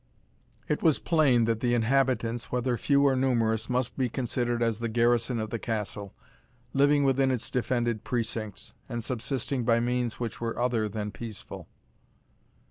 It was plain that the inhabitants, whether few or numerous, must be considered as the garrison of the castle, living within its defended precincts, and subsisting by means which were other than peaceful.